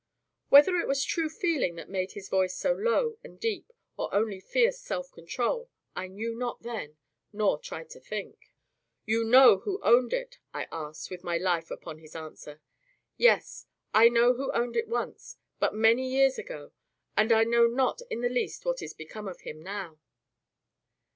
Whether it was true feeling that made his voice so low and deep, or only fierce self control, I knew not then, nor tried to think. "You know who owned it?" I asked, with my life upon his answer. "Yes. I know who owned it once; but many years ago. And I know not in the least what is become of him now."